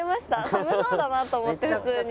寒そうだなと思って普通に。